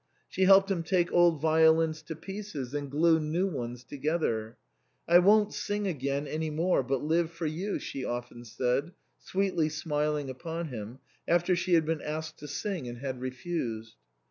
She helped him take old violins to pieces and glue new ones together. I won't sing again any more, but live for you," she often said, sweetly smiling upon him, after she had been asked to sing and had re fused.